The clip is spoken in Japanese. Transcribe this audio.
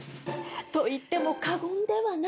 といっても過言ではない。